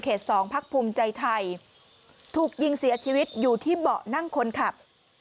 เขต๒พพใจไทยถูกยิงเสียชีวิตอยู่ที่เบาะนั่งคนขับ